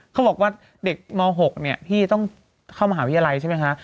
เขาบอกว่าเด็กม๖เนี่ยพี่ต้องเข้ามหาวิทยาลัยใช่ไหมคะ